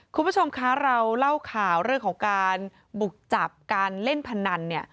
คุณผู้ชมคะเราเล่าข่าวเรื่องของการบุกจับการเล่นพนันเนี่ย